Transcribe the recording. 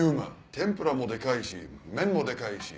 天ぷらもデカいし麺もデカいし。